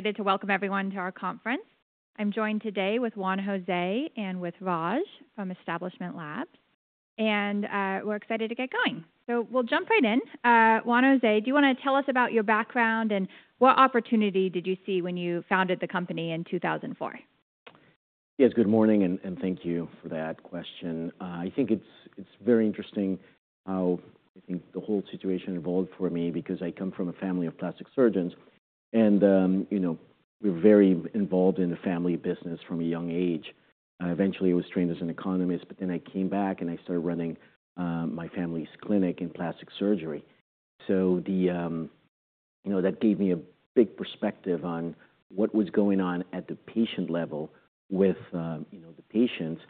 Excited to welcome everyone to our conference. I'm joined today with Juan José and with Raj from Establishment Labs, and, we're excited to get going. We'll jump right in. Juan José, do you wanna tell us about your background, and what opportunity did you see when you founded the company in 2004? Yes, good morning, and thank you for that question. I think it's very interesting how I think the whole situation evolved for me because I come from a family of plastic surgeons, and, you know, we're very involved in the family business from a young age. I eventually was trained as an economist, but then I came back, and I started running my family's clinic in plastic surgery. So that gave me a big perspective on what was going on at the patient level with, you know, the patients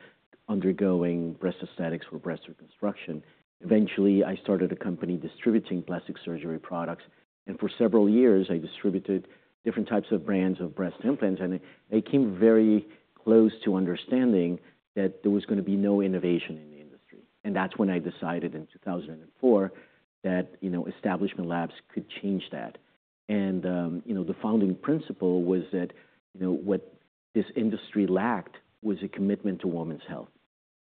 undergoing breast aesthetics for breast reconstruction. Eventually, I started a company distributing plastic surgery products, and for several years, I distributed different types of brands of breast implants, and I came very close to understanding that there was gonna be no innovation in the industry. And that's when I decided in 2004 that, you know, Establishment Labs could change that. And, you know, the founding principle was that, you know, what this industry lacked was a commitment to women's health,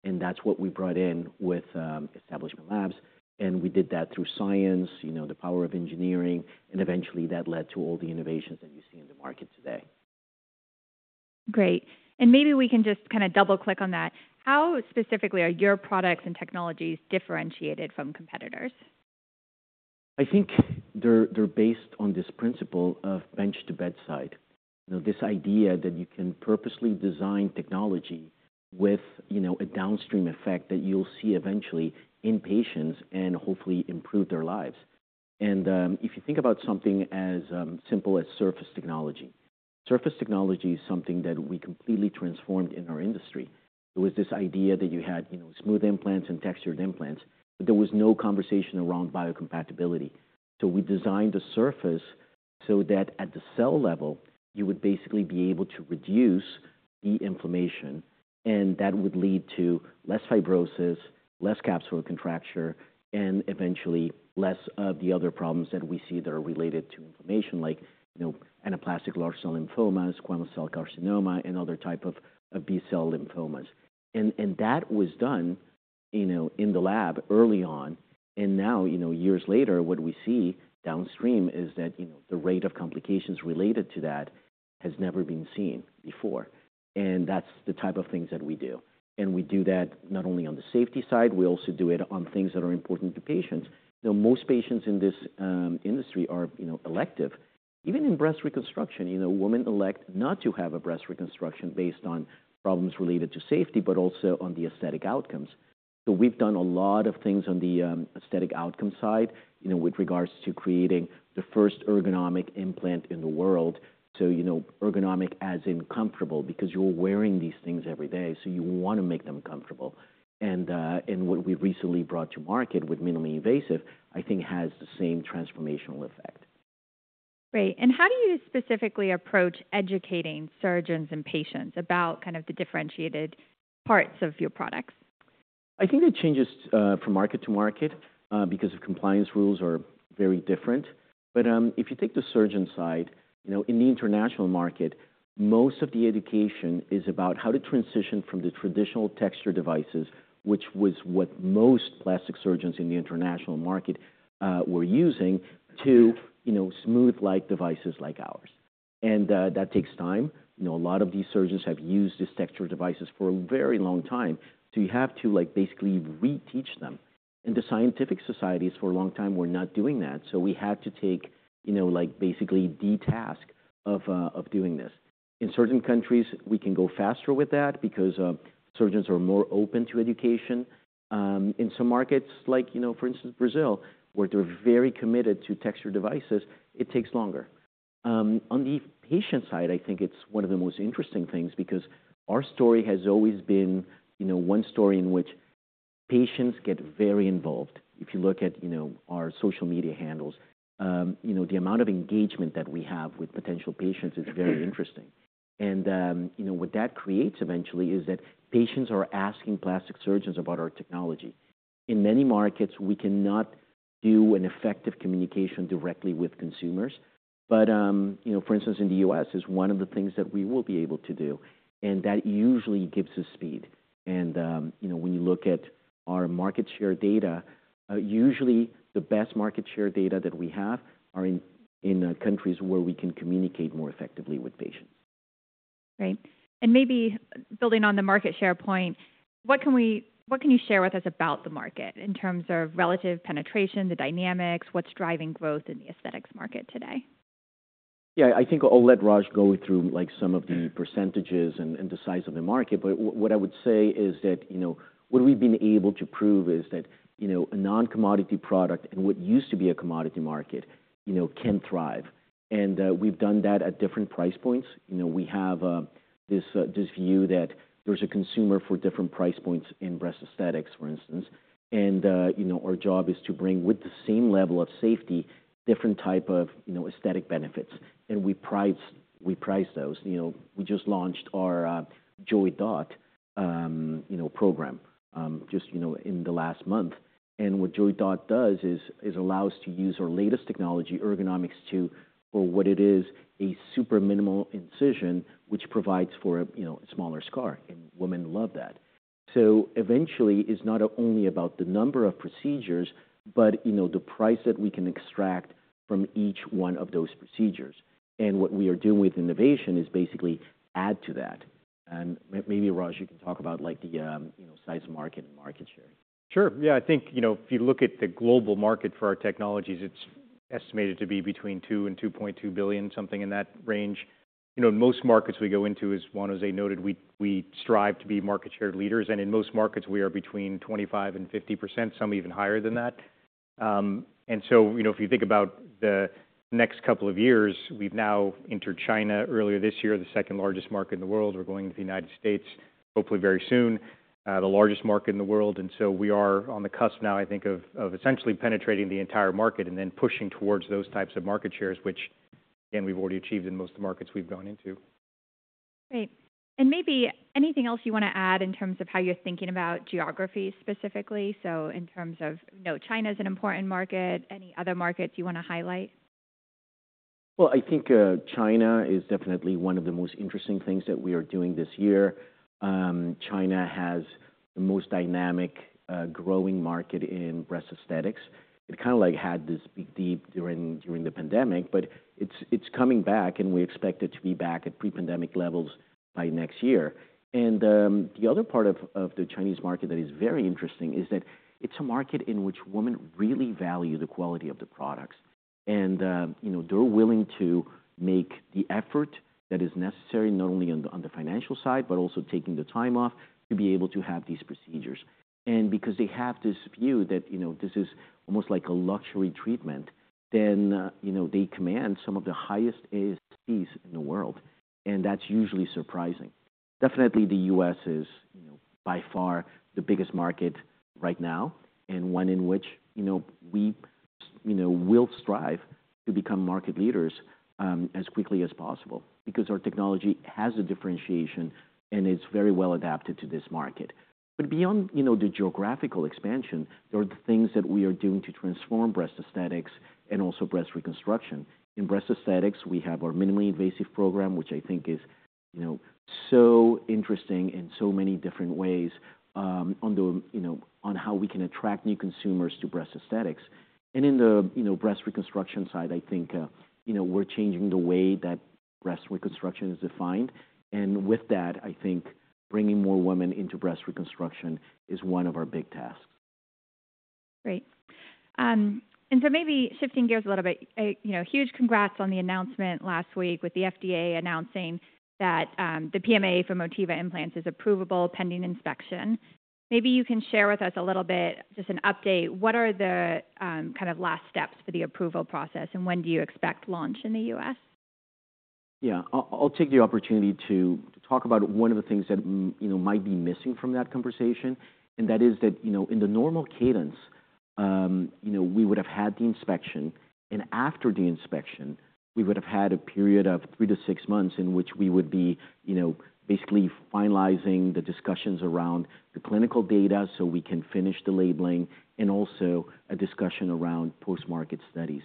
and that's what we brought in with, Establishment Labs, and we did that through science, you know, the power of engineering, and eventually, that led to all the innovations that you see in the market today. Great. Maybe we can just kinda double-click on that. How specifically are your products and technologies differentiated from competitors? I think they're based on this principle of bench to bedside. You know, this idea that you can purposely design technology with, you know, a downstream effect that you'll see eventually in patients and hopefully improve their lives. And if you think about something as simple as surface technology, surface technology is something that we completely transformed in our industry. It was this idea that you had, you know, smooth implants and textured implants, but there was no conversation around biocompatibility. So we designed a surface so that at the cell level, you would basically be able to reduce the inflammation, and that would lead to less fibrosis, less capsular contracture, and eventually less of the other problems that we see that are related to inflammation, like, you know, anaplastic large cell lymphomas, squamous cell carcinoma, and other type of B-cell lymphomas. And that was done, you know, in the lab early on, and now, you know, years later, what we see downstream is that, you know, the rate of complications related to that has never been seen before, and that's the type of things that we do. And we do that not only on the safety side, we also do it on things that are important to patients. You know, most patients in this industry are, you know, elective. Even in breast reconstruction, you know, women elect not to have a breast reconstruction based on problems related to safety, but also on the aesthetic outcomes. So we've done a lot of things on the aesthetic outcome side, you know, with regards to creating the first ergonomic implant in the world. So, you know, ergonomic as in comfortable because you're wearing these things every day, so you wanna make them comfortable. And, and what we recently brought to market with minimally invasive, I think has the same transformational effect. Great. How do you specifically approach educating surgeons and patients about kind of the differentiated parts of your products? I think it changes from market to market because the compliance rules are very different. But if you take the surgeon side, you know, in the international market, most of the education is about how to transition from the traditional texture devices, which was what most plastic surgeons in the international market were using, to, you know, smooth-like devices like ours. And that takes time. You know, a lot of these surgeons have used these texture devices for a very long time, so you have to, like, basically reteach them. And the scientific societies for a long time were not doing that, so we had to take, you know, like, basically the task of doing this. In certain countries, we can go faster with that because surgeons are more open to education. In some markets, like, you know, for instance, Brazil, where they're very committed to texture devices, it takes longer. On the patient side, I think it's one of the most interesting things because our story has always been, you know, one story in which patients get very involved. If you look at, you know, our social media handles, you know, the amount of engagement that we have with potential patients is very interesting. And, you know, what that creates eventually is that patients are asking plastic surgeons about our technology. In many markets, we cannot do an effective communication directly with consumers, but, you know, for instance, in the U.S., is one of the things that we will be able to do, and that usually gives us speed. you know, when you look at our market share data, usually the best market share data that we have are in countries where we can communicate more effectively with patients. Great. Maybe building on the market share point, what can you share with us about the market in terms of relative penetration, the dynamics, what's driving growth in the aesthetics market today? Yeah, I think I'll let Raj go through, like, some of the percentages and the size of the market, but what I would say is that, you know, what we've been able to prove is that, you know, a non-commodity product and what used to be a commodity market, you know, can thrive, and we've done that at different price points. You know, we have this view that there's a consumer for different price points in breast aesthetics, for instance. And, you know, our job is to bring with the same level of safety, different type of, you know, aesthetic benefits, and we price, we price those. You know, we just launched our JoyDot, you know, program, just, you know, in the last month. And what JoyDot does is allow us to use our latest technology, Ergonomix, to, for what it is, a super minimal incision, which provides for a, you know, smaller scar, and women love that. So eventually, it's not only about the number of procedures, but, you know, the price that we can extract from each one of those procedures. And what we are doing with innovation is basically add to that. And maybe, Raj, you can talk about, like, the, you know, size of market and market share. Sure. Yeah, I think, you know, if you look at the global market for our technologies, it's estimated to be between $2 billion and $2.2 billion, something in that range. You know, most markets we go into, as Juan José noted, we strive to be market share leaders, and in most markets, we are between 25% and 50%, some even higher than that. And so, you know, if you think about the next couple of years, we've now entered China earlier this year, the second-largest market in the world. We're going into the United States, hopefully very soon, the largest market in the world. And so we are on the cusp now, I think, of essentially penetrating the entire market and then pushing towards those types of market shares, which, again, we've already achieved in most of the markets we've gone into. Great. And maybe anything else you want to add in terms of how you're thinking about geography specifically? So in terms of, you know, China's an important market. Any other markets you want to highlight? Well, I think China is definitely one of the most interesting things that we are doing this year. China has the most dynamic growing market in breast aesthetics. It kind of, like, had this big dip during the pandemic, but it's coming back, and we expect it to be back at pre-pandemic levels by next year. And the other part of the Chinese market that is very interesting is that it's a market in which women really value the quality of the products. And you know, they're willing to make the effort that is necessary, not only on the financial side, but also taking the time off to be able to have these procedures. And because they have this view that, you know, this is almost like a luxury treatment, then, you know, they command some of the highest ASPs in the world, and that's usually surprising. Definitely, the U.S. is, you know, by far the biggest market right now, and one in which, you know, we, you know, will strive to become market leaders, as quickly as possible because our technology has a differentiation, and it's very well adapted to this market. But beyond, you know, the geographical expansion, there are the things that we are doing to transform breast aesthetics and also breast reconstruction. In breast aesthetics, we have our minimally invasive program, which I think is, you know, so interesting in so many different ways, on the, you know, on how we can attract new consumers to breast aesthetics. In the, you know, breast reconstruction side, I think, you know, we're changing the way that breast reconstruction is defined, and with that, I think bringing more women into breast reconstruction is one of our big tasks. Great. And so maybe shifting gears a little bit, you know, huge congrats on the announcement last week with the FDA announcing that the PMA for Motiva Implants is approvable, pending inspection. Maybe you can share with us a little bit, just an update, what are the kind of last steps for the approval process, and when do you expect launch in the U.S.? Yeah. I'll take the opportunity to talk about one of the things that you know, might be missing from that conversation, and that is that, you know, in the normal cadence, you know, we would have had the inspection, and after the inspection, we would have had a period of 3-6 months in which we would be, you know, basically finalizing the discussions around the clinical data so we can finish the labeling, and also a discussion around post-market studies.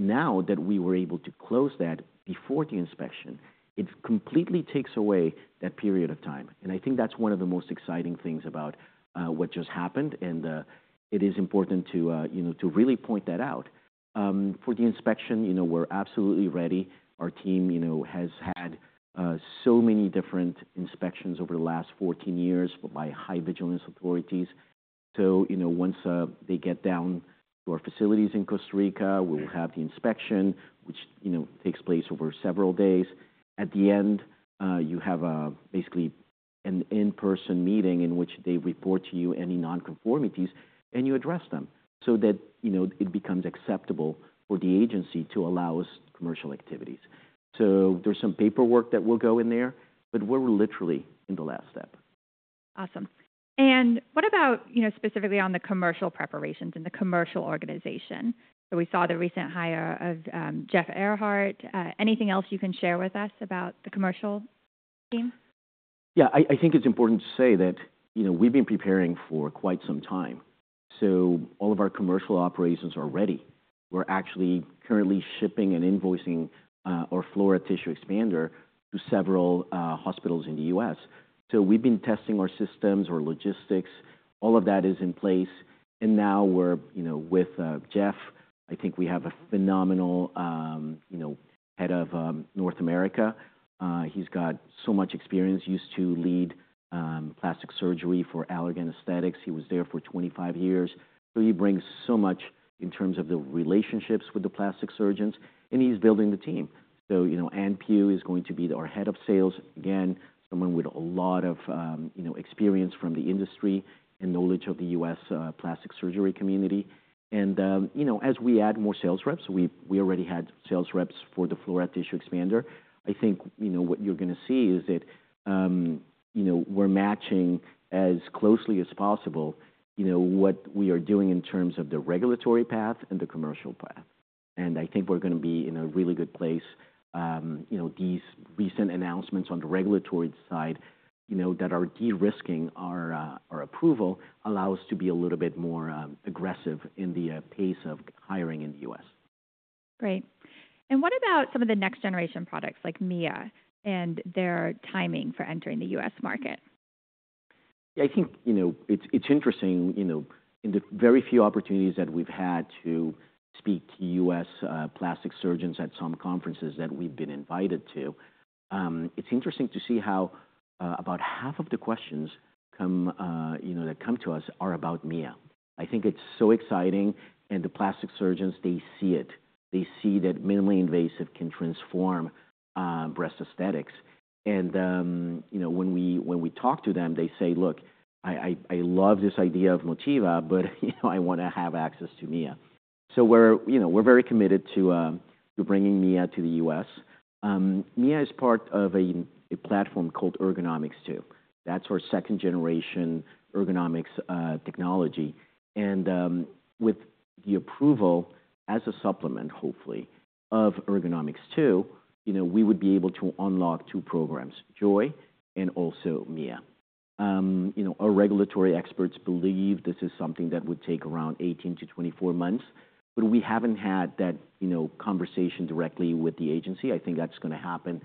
Now that we were able to close that before the inspection, it completely takes away that period of time, and I think that's one of the most exciting things about what just happened, and it is important to, you know, to really point that out. For the inspection, you know, we're absolutely ready. Our team, you know, has had so many different inspections over the last 14 years by high vigilance authorities. So, you know, once they get down to our facilities in Costa Rica, we will have the inspection, which, you know, takes place over several days. At the end, you have basically an in-person meeting in which they report to you any non-conformities, and you address them so that, you know, it becomes acceptable for the agency to allow us commercial activities. So there's some paperwork that will go in there, but we're literally in the last step. Awesome. And what about, you know, specifically on the commercial preparations and the commercial organization? So we saw the recent hire of Jeff Ehrhardt. Anything else you can share with us about the commercial team? Yeah, I think it's important to say that, you know, we've been preparing for quite some time, so all of our commercial operations are ready. We're actually currently shipping and invoicing our Flora tissue expander to several hospitals in the U.S. So we've been testing our systems, our logistics, all of that is in place, and now we're, you know, with Jeff, I think we have a phenomenal, you know, head of North America. He's got so much experience. He used to lead plastic surgery for Allergan Aesthetics. He was there for 25 years, so he brings so much in terms of the relationships with the plastic surgeons, and he's building the team. So, you know, Ann Pugh is going to be our head of sales. Again, someone with a lot of, you know, experience from the industry and knowledge of the U.S., plastic surgery community. And, you know, as we add more sales reps, we, we already had sales reps for the Flora tissue expander, I think, you know, what you're gonna see is that, you know, we're matching as closely as possible, you know, what we are doing in terms of the regulatory path and the commercial path. And I think we're gonna be in a really good place. You know, these recent announcements on the regulatory side, you know, that are de-risking our, our approval, allow us to be a little bit more, aggressive in the, pace of hiring in the U.S.... Great. What about some of the next generation products like Mia and their timing for entering the U.S. market? I think, you know, it's interesting, you know, in the very few opportunities that we've had to speak to U.S. plastic surgeons at some conferences that we've been invited to, it's interesting to see how about half of the questions come, you know, that come to us are about Mia. I think it's so exciting, and the plastic surgeons, they see it. They see that minimally invasive can transform breast aesthetics. You know, when we talk to them, they say, "Look, I, I, I love this idea of Motiva, but, you know, I wanna have access to Mia." So we're, you know, we're very committed to to bringing Mia to the U.S. Mia is part of a platform called Ergonomix 2. That's our second generation Ergonomix technology. With the approval as a supplement, hopefully, of Ergonomix 2, you know, we would be able to unlock two programs, Joy and also Mia. You know, our regulatory experts believe this is something that would take around 18-24 months, but we haven't had that, you know, conversation directly with the agency. I think that's gonna happen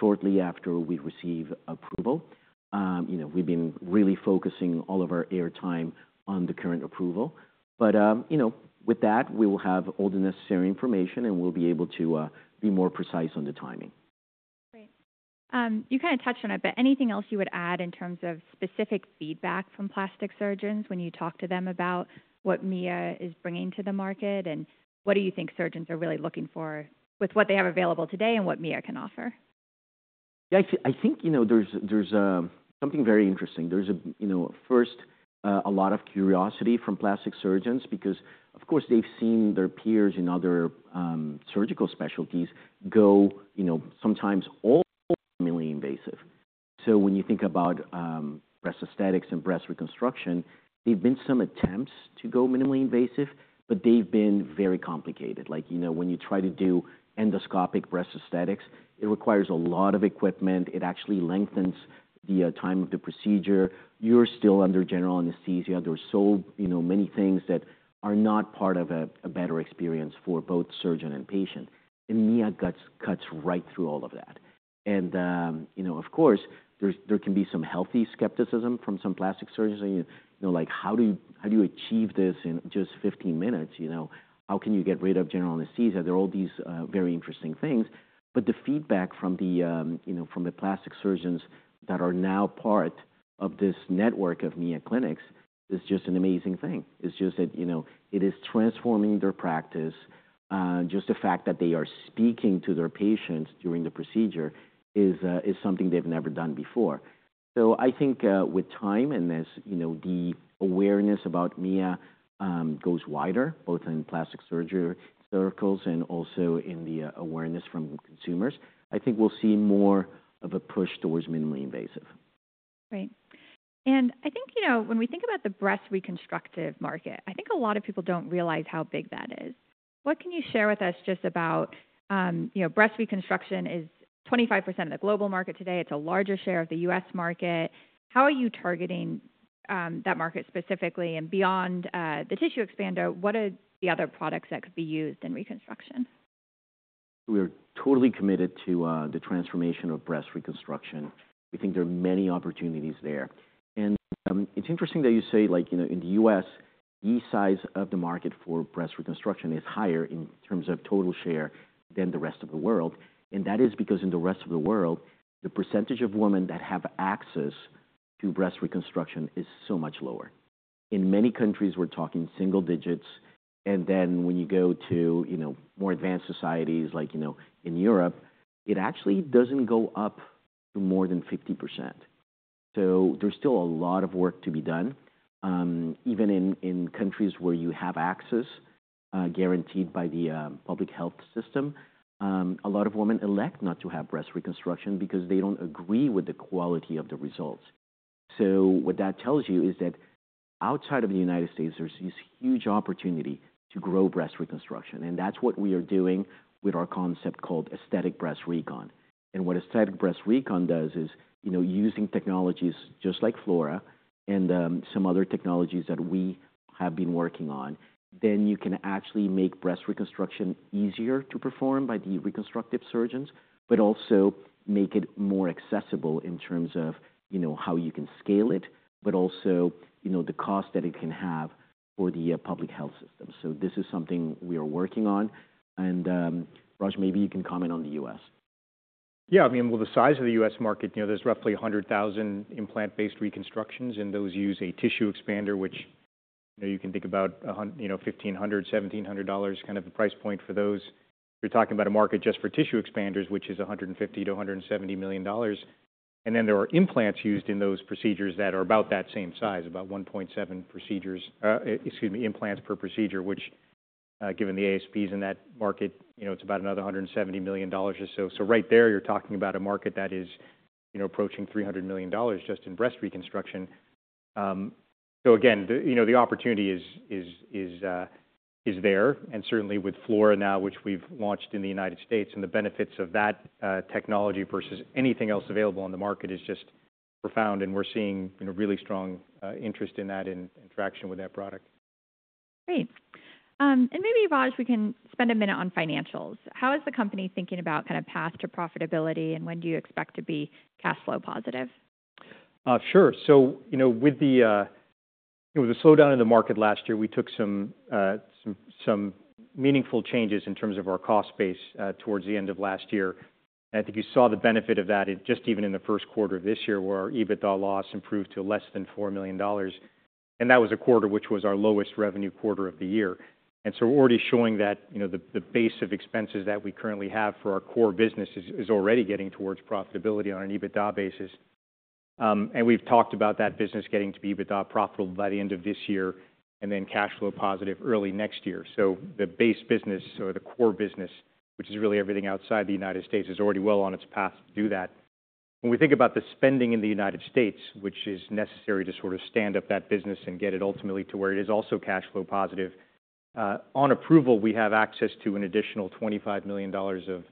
shortly after we receive approval. You know, we've been really focusing all of our airtime on the current approval. But, you know, with that, we will have all the necessary information, and we'll be able to be more precise on the timing. Great. You kinda touched on it, but anything else you would add in terms of specific feedback from plastic surgeons when you talk to them about what Mia is bringing to the market? And what do you think surgeons are really looking for with what they have available today and what Mia can offer? Yeah, I think, you know, there's something very interesting. There's, you know, first, a lot of curiosity from plastic surgeons because, of course, they've seen their peers in other surgical specialties go, you know, sometimes all minimally invasive. So when you think about breast aesthetics and breast reconstruction, there've been some attempts to go minimally invasive, but they've been very complicated. Like, you know, when you try to do endoscopic breast aesthetics, it requires a lot of equipment. It actually lengthens the time of the procedure. You're still under general anesthesia. There are so, you know, many things that are not part of a better experience for both surgeon and patient, and Mia cuts right through all of that. You know, of course, there can be some healthy skepticism from some plastic surgeons, you know, like, "How do you, how do you achieve this in just 15 minutes?" You know, "How can you get rid of general anesthesia?" There are all these very interesting things, but the feedback from the, you know, from the plastic surgeons that are now part of this network of Mia Clinics is just an amazing thing. It's just that, you know, it is transforming their practice. Just the fact that they are speaking to their patients during the procedure is, is something they've never done before. So I think, with time and as, you know, the awareness about Mia goes wider, both in plastic surgery circles and also in the awareness from consumers, I think we'll see more of a push towards minimally invasive. Great. And I think, you know, when we think about the breast reconstructive market, I think a lot of people don't realize how big that is. What can you share with us just about, you know, breast reconstruction is 25% of the global market today. It's a larger share of the U.S. market. How are you targeting that market specifically? And beyond the tissue expander, what are the other products that could be used in reconstruction? We're totally committed to the transformation of breast reconstruction. We think there are many opportunities there. It's interesting that you say, like, you know, in the U.S., the size of the market for breast reconstruction is higher in terms of total share than the rest of the world, and that is because in the rest of the world, the percentage of women that have access to breast reconstruction is so much lower. In many countries, we're talking single digits, and then when you go to, you know, more advanced societies, like, you know, in Europe, it actually doesn't go up to more than 50%. So there's still a lot of work to be done. Even in countries where you have access, guaranteed by the public health system, a lot of women elect not to have breast reconstruction because they don't agree with the quality of the results. So what that tells you is that outside of the United States, there's this huge opportunity to grow breast reconstruction, and that's what we are doing with our concept called Aesthetic Breast Recon. And what Aesthetic Breast Recon does is, you know, using technologies just like Flora and some other technologies that we have been working on, then you can actually make breast reconstruction easier to perform by the reconstructive surgeons, but also make it more accessible in terms of, you know, how you can scale it, but also, you know, the cost that it can have for the public health system. So this is something we are working on. Raj, maybe you can comment on the US. Yeah, I mean, well, the size of the U.S. market, you know, there's roughly 100,000 implant-based reconstructions, and those use a tissue expander, which, you know, you can think about fifteen hundred, seventeen hundred dollars, kind of the price point for those. You're talking about a market just for tissue expanders, which is $150 million-$170 million. And then there are implants used in those procedures that are about that same size, about 1.7 procedures, excuse me, implants per procedure, which, given the ASPs in that market, you know, it's about another $170 million or so. So right there, you're talking about a market that is, you know, approaching $300 million just in breast reconstruction. So again, the, you know, the opportunity is there, and certainly with Flora now, which we've launched in the United States, and the benefits of that technology versus anything else available on the market is just profound, and we're seeing, you know, really strong interest in that and traction with that product. Great. And maybe, Raj, we can spend a minute on financials. How is the company thinking about kind of path to profitability, and when do you expect to be cash flow positive? Sure. So, you know, with the slowdown in the market last year, we took some meaningful changes in terms of our cost base, towards the end of last year. I think you saw the benefit of that in, just even in the first quarter of this year, where our EBITDA loss improved to less than $4 million, and that was a quarter which was our lowest revenue quarter of the year. And so we're already showing that, you know, the base of expenses that we currently have for our core business is already getting towards profitability on an EBITDA basis. And we've talked about that business getting to EBITDA profitable by the end of this year, and then cash flow positive early next year. So the base business or the core business, which is really everything outside the United States, is already well on its path to do that. When we think about the spending in the United States, which is necessary to sort of stand up that business and get it ultimately to where it is also cash flow positive, on approval, we have access to an additional $25 million of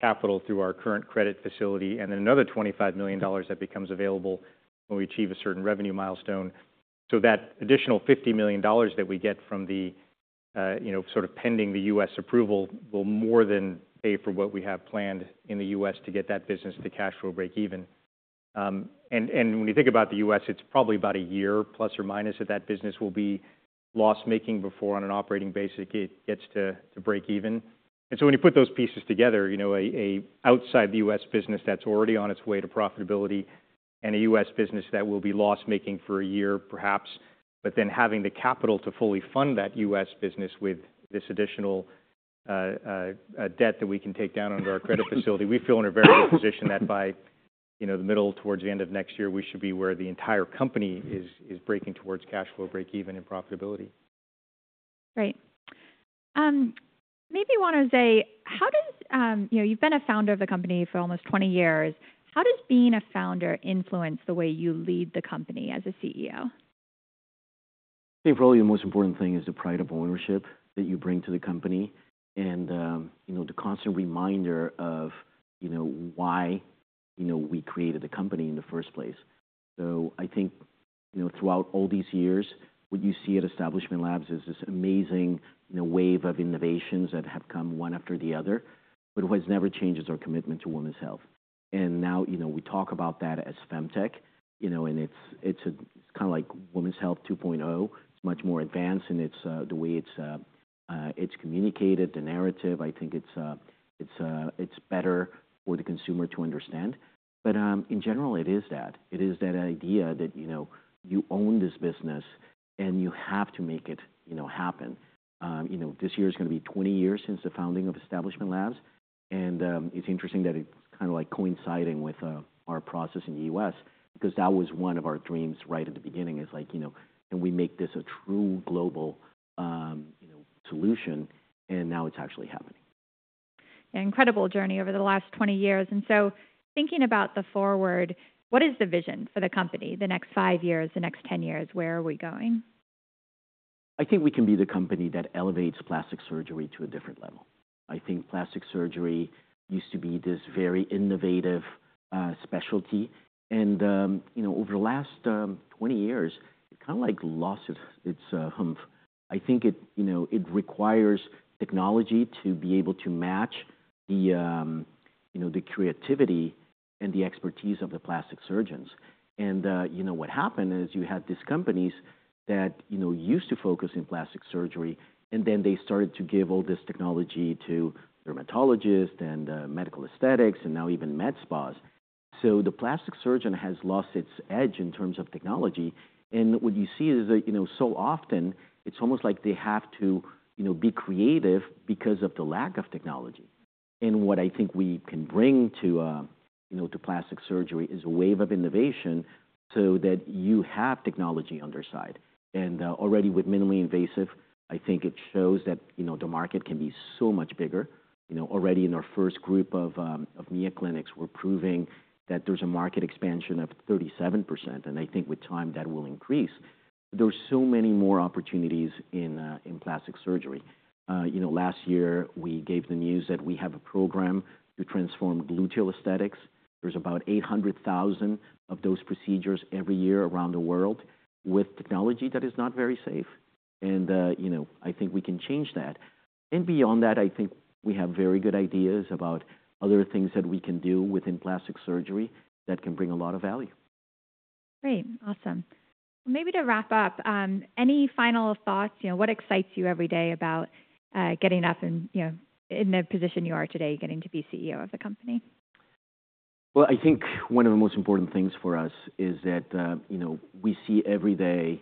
capital through our current credit facility and another $25 million that becomes available when we achieve a certain revenue milestone. So that additional $50 million that we get from the, you know, sort of pending the U.S. approval, will more than pay for what we have planned in the U.S. to get that business to cash flow breakeven. When you think about the U.S., it's probably about a year, plus or minus, that business will be loss-making before, on an operating basis, it gets to breakeven. And so when you put those pieces together, you know, an outside the U.S. business that's already on its way to profitability and a U.S. business that will be loss-making for a year, perhaps, but then having the capital to fully fund that U.S. business with this additional debt that we can take down under our credit facility, we feel in a very good position that by, you know, the middle towards the end of next year, we should be where the entire company is breaking towards cash flow breakeven and profitability. Great. Maybe, Juan José, how does... You know, you've been a founder of the company for almost 20 years. How does being a founder influence the way you lead the company as a CEO? I think probably the most important thing is the pride of ownership that you bring to the company and, you know, the constant reminder of, you know, why, you know, we created the company in the first place. So I think, you know, throughout all these years, what you see at Establishment Labs is this amazing, you know, wave of innovations that have come one after the other, but what never changes is our commitment to women's health. And now, you know, we talk about that as FemTech, you know, and it's, it's kind of like women's health 2.0. It's much more advanced, and it's, the way it's, it's communicated, the narrative, I think it's, it's better for the consumer to understand. But, in general, it is that. It is that idea that, you know, you own this business, and you have to make it, you know, happen. You know, this year is gonna be 20 years since the founding of Establishment Labs, and, it's interesting that it's kind of, like, coinciding with our process in the U.S. because that was one of our dreams right at the beginning is like, you know, can we make this a true global, you know, solution? And now it's actually happening. An incredible journey over the last 20 years. So thinking about the forward, what is the vision for the company the next 5 years, the next 10 years? Where are we going? I think we can be the company that elevates plastic surgery to a different level. I think plastic surgery used to be this very innovative specialty, and you know, over the last 20 years, it kind of, like, lost its humph. I think it you know, it requires technology to be able to match the you know, the creativity and the expertise of the plastic surgeons. And you know, what happened is you had these companies that you know, used to focus in plastic surgery, and then they started to give all this technology to dermatologists and medical aesthetics, and now even med spas. So the plastic surgeon has lost its edge in terms of technology, and what you see is that you know, so often it's almost like they have to you know, be creative because of the lack of technology. And what I think we can bring to, you know, to plastic surgery is a wave of innovation so that you have technology on their side. And, already with minimally invasive, I think it shows that, you know, the market can be so much bigger. You know, already in our first group of, of Mia clinics, we're proving that there's a market expansion of 37%, and I think with time, that will increase. There are so many more opportunities in, in plastic surgery. You know, last year we gave the news that we have a program to transform gluteal aesthetics. There's about 800,000 of those procedures every year around the world with technology that is not very safe, and, you know, I think we can change that. Beyond that, I think we have very good ideas about other things that we can do within plastic surgery that can bring a lot of value. Great. Awesome. Maybe to wrap up, any final thoughts? You know, what excites you every day about getting up and, you know, in the position you are today, getting to be CEO of the company? Well, I think one of the most important things for us is that, you know, we see every day,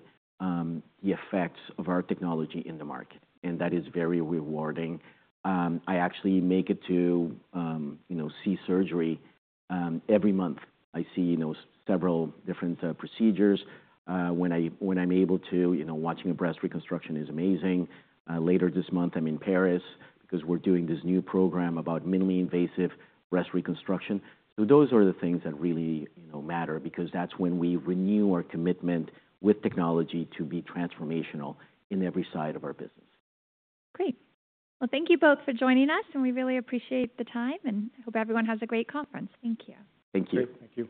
the effects of our technology in the market, and that is very rewarding. I actually make it to, you know, see surgery, every month. I see, you know, several different, procedures, when I, when I'm able to. You know, watching a breast reconstruction is amazing. Later this month, I'm in Paris because we're doing this new program about minimally invasive breast reconstruction. So those are the things that really, you know, matter because that's when we renew our commitment with technology to be transformational in every side of our business. Great. Well, thank you both for joining us, and we really appreciate the time, and I hope everyone has a great conference. Thank you. Thank you. Great. Thank you.